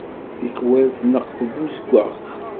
Tikkwal tneqq tbuzeggaɣt.